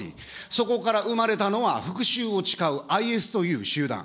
そこから生まれたのは復しゅうを誓うＩＳという集団。